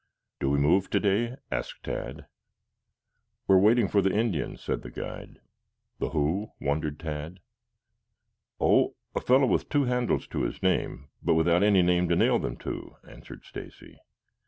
"Do we move today?" asked Tad. "We are waiting for the Indian," said the guide. "The who?" wondered Tad. "Oh, a fellow with two handles to his name, but without any name to nail them to," answered Stacy.